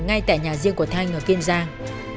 ngay tại nhà riêng của thanh ở kiên giang